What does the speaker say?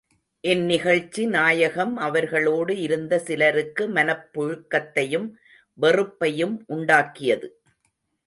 இந்நிகழ்ச்சி நாயகம் அவர்களோடு இருந்த சிலருக்கு மனப் புழுக்கத்தையும் வெறுப்பையும் உண்டாக்கியது.